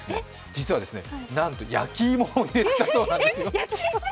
実はなんと、焼き芋を入れていたそうなんですよ。